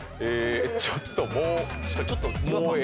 ちょっともう。